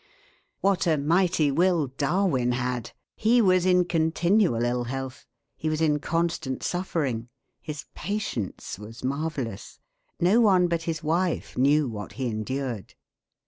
What a mighty will Darwin had! He was in continual ill health. He was in constant suffering. His patience was marvellous. No one but his wife knew what he endured.